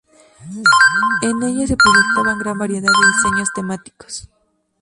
En ella se proyectaban gran variedad de diseños temáticos.